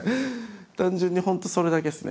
単純に本当それだけですね。